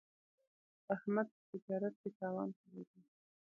احمد په تجارت کې تاوان کړی دی.